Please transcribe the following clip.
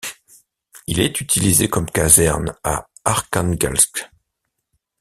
Il est utilisé comme caserne à Arkhangelsk.